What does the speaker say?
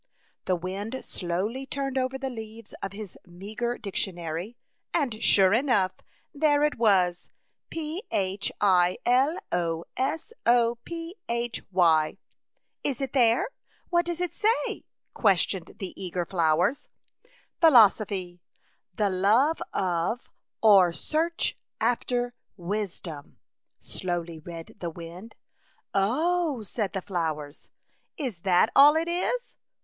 The wind slowly turned over the leaves of his meagre dictionary, and, sure enough, there it was, —'' p h i 1 o s o p h y." "Is it there? What does it say?" questioned the eager flowers. A Chautauqua Idyl. 47 " Philosophy, the love of, or search after, wisdom," slowly read the wind. " Oh !" said the flowers, '' is that all it is